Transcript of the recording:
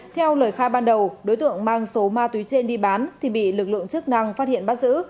theo lời khai ban đầu đối tượng mang số ma túy trên đi bán thì bị lực lượng chức năng phát hiện bắt giữ